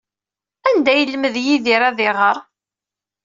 Anda ay yelmed Yidir ad iɣer?